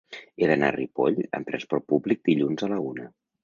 He d'anar a Ripoll amb trasport públic dilluns a la una.